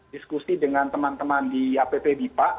diskusi dengan teman teman di app bipa